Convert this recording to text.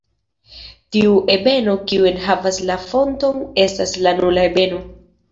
Tiu ebeno kiu enhavas la fonton estas la "nula" ebeno.